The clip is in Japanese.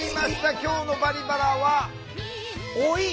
今日の「バリバラ」は老い。